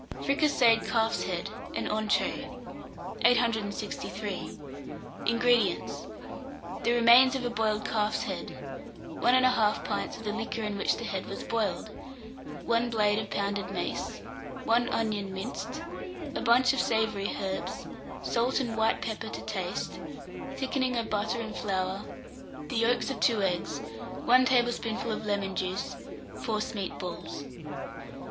FRICASSEED CALF'S HEAD (an Entree). 863. INGREDIENTS. The remains of a boiled calf's head, 1 1/2 pint of the liquor in which the head was boiled, 1 blade of pounded mace, 1 onion minced, a bunch of savoury herbs, salt and white pepper to taste, thickening of butter and flour, the yolks of 2 eggs, 1 tablespoonful of lemon juice, forcemeat balls.